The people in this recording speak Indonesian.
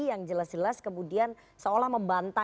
yang jelas jelas kemudian seolah membantah